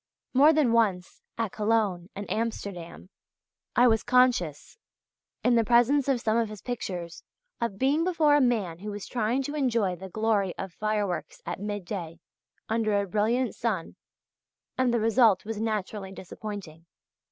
More than once, at Cologne and Amsterdam, I was conscious in the presence of some of his pictures of being before a man who was trying to enjoy the glory of fireworks at midday, under a brilliant sun, and the result was naturally disappointing.